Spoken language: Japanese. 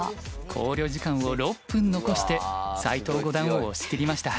考慮時間を６分残して斎藤五段を押し切りました。